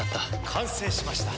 完成しました。